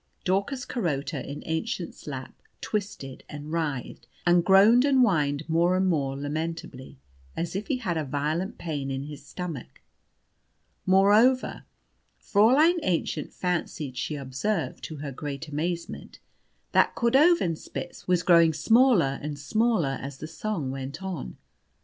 Daucus Carota, in Aennschen's lap, twisted and writhed, and groaned and whined more and more lamentably, as if he had a violent pain in his stomach. Moreover, Fräulein Aennchen fancied she observed, to her great amazement, that Cordovanspitz was growing smaller and smaller as the song went on.